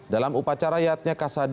dalam upacara yatnya kasada